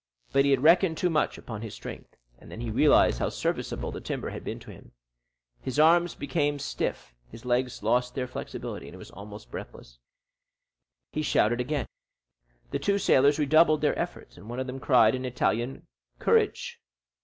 But he had reckoned too much upon his strength, and then he realized how serviceable the timber had been to him. His arms became stiff, his legs lost their flexibility, and he was almost breathless. He shouted again. The two sailors redoubled their efforts, and one of them cried in Italian, "Courage!"